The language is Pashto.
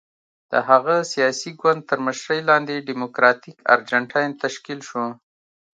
د هغه سیاسي ګوند تر مشرۍ لاندې ډیموکراتیک ارجنټاین تشکیل شو.